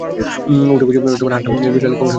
উঠে বসে অন্য হাতটা দিয়ে বিড়ালের কোমর শক্ত করে ধরলেন।